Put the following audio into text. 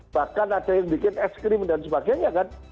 bahkan ada yang bikin es krim dan sebagainya kan